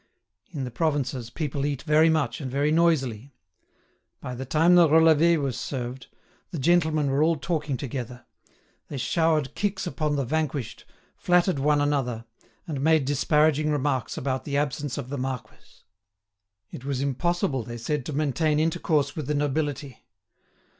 In the provinces, people eat very much and very noisily. By the time the relevé was served, the gentlemen were all talking together; they showered kicks upon the vanquished, flattered one another, and made disparaging remarks about the absence of the marquis. It was impossible, they said, to maintain intercourse with the nobility.